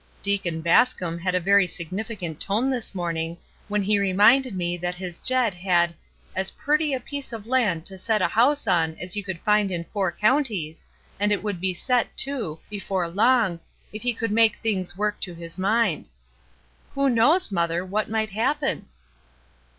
Deacon Bascom had a very significant tone this morning when he reminded me that his Jed had as ' purty a piece of land to set a house on as you could find in four counties, and it would be set, too, before long, if he could make things work to his mind .' A^Tio knows, mother, what might happen?''